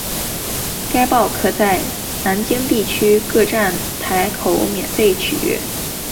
该报可在南京地铁各站台口免费取阅。